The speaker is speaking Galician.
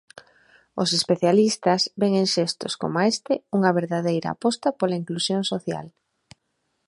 Os especialistas ven en xestos coma este unha verdadeira aposta pola inclusión social.